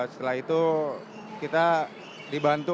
setelah itu kita dibantuin